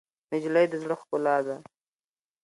نجلۍ د زړه ښکلا ده.